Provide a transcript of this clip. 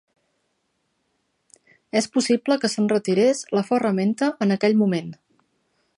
És possible que se'n retirés la ferramenta en aquell moment.